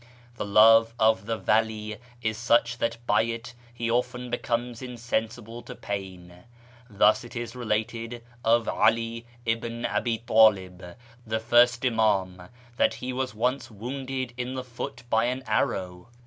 The love of the vali is such that by it he often becomes insensible to pain. Thus it is related of 'All b. Abi Talib, the first Imam, that he was once wounded in the foot by an arrow.